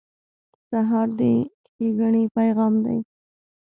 سهار د ښېګڼې پیغام دی.